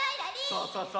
そうそうそう。